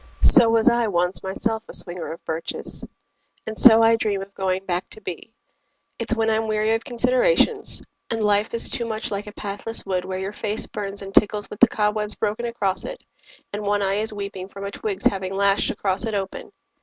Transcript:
So was I once myself a swinger of birches. And so I dream of going back to be. It's when I'm weary of considerations, And life is too much like a pathless wood Where your face burns and tickles with the cobwebs Broken across it, and one eye is weeping From a twig's having lashed across it open.